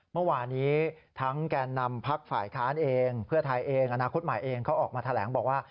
เมื่อวานี้ทั้งแก่นำพักฝ่ายค้านเองเพื่อไทยเองอนาคตใหม่เองเขาออกมาแถลงบอกว่า